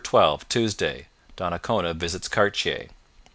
12 Tuesday Donnacona visits Cartier.